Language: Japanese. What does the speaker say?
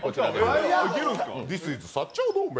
ディス・イズ・薩長同盟。